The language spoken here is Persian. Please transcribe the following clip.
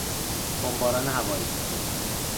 بمباران هوایی